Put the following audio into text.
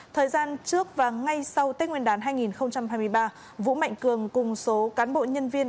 thời gian trước và ngay sau tết nguyên đán hai nghìn hai mươi ba vũ mạnh cường cùng số cán bộ nhân viên